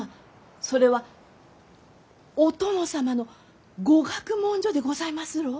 それはお殿様の御学問所でございますろう？